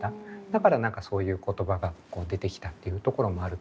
だから何かそういう言葉が出てきたっていうところもあるかもしれないし。